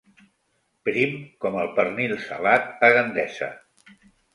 Prim com el pernil salat a Gandesa.